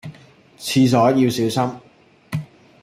廁所要小心